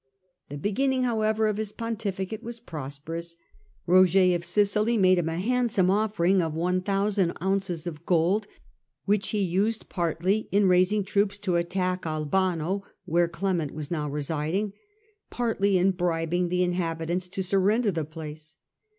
The beginning, however, of his pontificate was prosperous. Roger of Sicily made him a handsome ofiering of 1,000 ounces of gold, which he used partly in raising troops to attack Albano, where Clement was now residing, partly in bribing the inhabitants to sur render the place.